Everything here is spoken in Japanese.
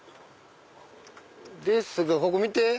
ですがここ見て！